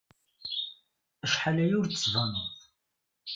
Acḥal aya ur d-tbaneḍ.